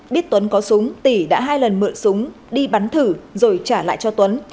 biết tuấn có súng tỉ đã hai lần mượn súng đi bắn thử rồi trả lại cho tuấn